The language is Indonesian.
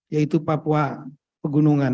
yaitu papua pegunungan